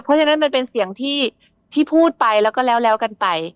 เพราะฉะนั้นมันเป็นเสียงที่พูดไปแล้วก็แล้วกันไป